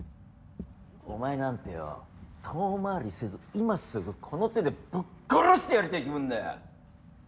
お前なんてよぉ遠回りせず今すぐこの手でぶっ殺してやりたい気分だよ。